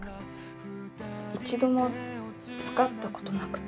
一度も使ったことなくて。